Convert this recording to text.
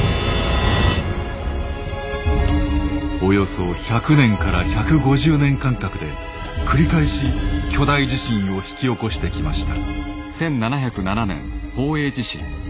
およそ１００年から１５０年間隔で繰り返し巨大地震を引き起こしてきました。